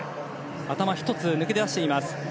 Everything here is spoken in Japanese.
頭１つ抜け出しています。